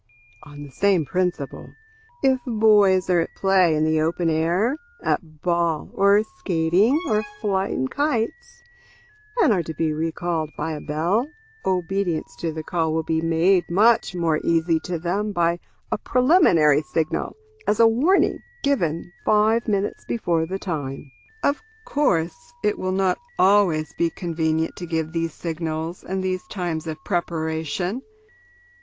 On the same principle, if boys are at play in the open air at ball, or skating, or flying kites and are to be recalled by a bell, obedience to the call will be made much more easy to them by a preliminary signal, as a warning, given five minutes before the time. Of course, it will not always be convenient to give these signals and these times of preparation.